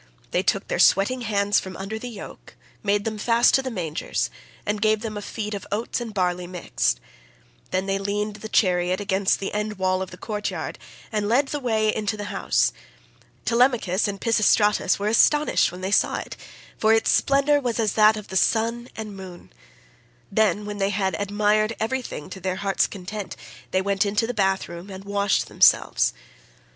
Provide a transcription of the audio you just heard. They took their sweating steeds from under the yoke, made them fast to the mangers, and gave them a feed of oats and barley mixed. Then they leaned the chariot against the end wall of the courtyard, and led the way into the house. Telemachus and Pisistratus were astonished when they saw it, for its splendour was as that of the sun and moon; then, when they had admired everything to their heart's content, they went into the bath room and washed themselves.